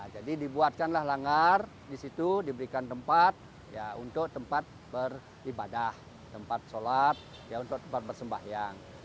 jadi dibuatkanlah langar di situ diberikan tempat untuk tempat beribadah tempat sholat tempat bersembahyang